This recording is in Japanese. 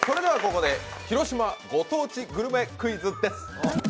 ここで広島ご当地グルメクイズです。